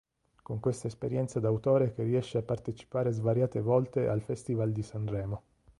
Con questa esperienza d'autore che riesce a partecipare svariate volte al Festival di Sanremo.